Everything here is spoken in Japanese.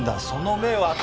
その目は！